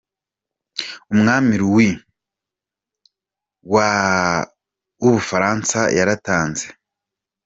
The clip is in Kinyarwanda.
Umwami Louis wa w’ubufaransa yaratanze.